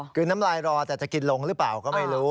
คือน้ำลายรอแต่จะกินลงหรือเปล่าก็ไม่รู้